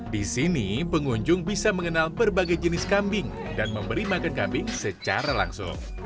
di sini pengunjung bisa mengenal berbagai jenis kambing dan memberi makan kambing secara langsung